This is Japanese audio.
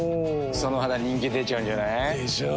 その肌人気出ちゃうんじゃない？でしょう。